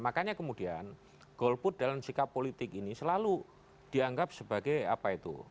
makanya kemudian golput dalam sikap politik ini selalu dianggap sebagai apa itu